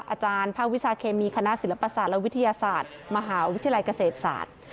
อาจารย์ภาควิชาเคมีคณะศิลปศาสตร์และวิทยาศาสตร์มหาวิทยาลัยเกษตรศาสตร์